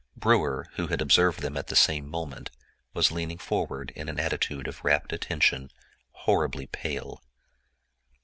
Brewer, who had observed them at the same moment, was leaning forward in an attitude of rapt attention, horribly pale.